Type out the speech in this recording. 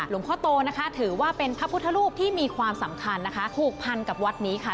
หลวงพ่อโตนะคะถือว่าเป็นพระพุทธรูปที่มีความสำคัญนะคะผูกพันกับวัดนี้ค่ะ